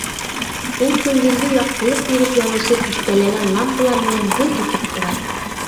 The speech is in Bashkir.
Ул көндөҙгө яҡтылыҡ биреп яныусы тиҫтәләгән лампалар менән гөлт итеп тора.